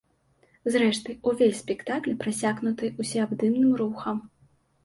Зрэшты, увесь спектакль прасякнуты ўсеабдымным рухам.